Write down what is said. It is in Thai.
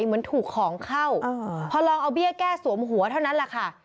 เหมือนถูกของเข้าพอลองเอาเบี้ยแก้สวมหัวเท่านั้นแหละค่ะ